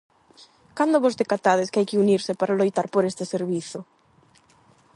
Cando vos decatades que hai que unirse para loitar por este servizo?